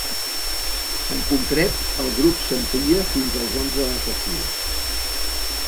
En concret, el grup s’àmplia fins als onze efectius.